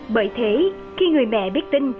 bởi thế khi người mẹ biết tin